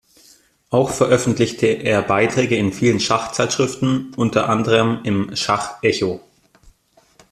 Auch veröffentlichte er Beiträge in vielen Schachzeitschriften, unter anderem im "Schach-Echo".